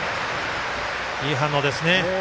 いい反応ですね。